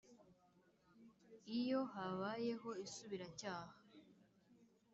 Iyo habayeho isubiracyaha.